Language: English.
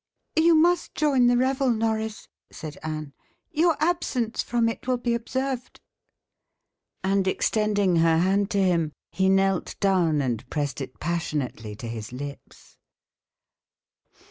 "You must join the revel, Norris," said Anne; "your absence from it will be observed." And extending her hand to him, he knelt down and pressed it passionately to his lips.